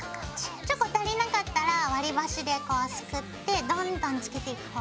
チョコ足りなかったら割り箸でこうすくってどんどんつけていこう。